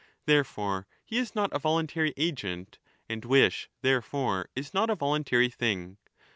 Therefore he is not a voluntary agent, and wish therefore is not a voluntary thing.